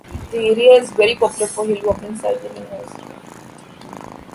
The area is very popular for hillwalking, cycling and horseriding.